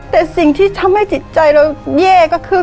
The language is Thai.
แต่สิ่งที่ทำให้จิตใจเราแย่ก็คือ